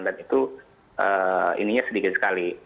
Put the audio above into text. dan itu ininya sedikit sekali